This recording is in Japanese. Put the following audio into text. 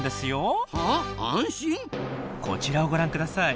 こちらをご覧ください。